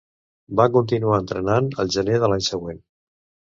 Va continuar entrenant al gener de l'any següent.